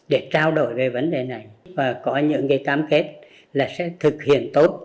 để trao đổi về vấn đề này và có những cái tám kết là sẽ thực hiện tốt